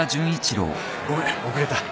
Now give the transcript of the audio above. ごめん遅れた。